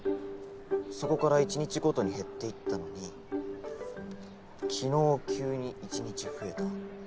そこから１日ごとに減っていったのに昨日急に１日増えた。